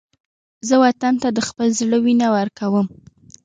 زه وطن ته د خپل زړه وینه ورکوم